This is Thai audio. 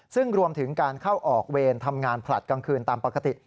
ซึ่งรวมถึงการเข้าออกเวรทำงานผลัดกลางคืนตามปกติ